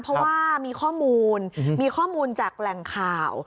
เพราะว่ามีข้อมูลมีข้อมูลจากแหล่งข่าว